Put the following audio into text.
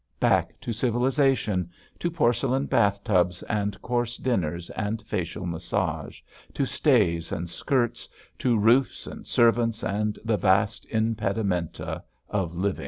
Back to civilization, to porcelain bathtubs and course dinners and facial massage, to stays and skirts, to roofs and servants and the vast impedimenta of living.